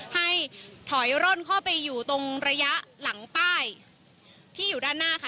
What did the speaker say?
ให้ถอยร่อนเข้าไปอยู่ตรงระยะหลังป้ายที่อยู่ด้านหน้าค่ะ